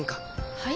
はい？